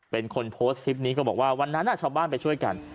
เป็นคนโพสต์คลิปนี้ก็บอกว่าวันนั้นชาวบ้านไปช่วยกัน